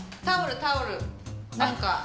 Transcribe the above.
タオルタオル何か。